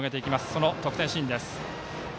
その得点シーンです。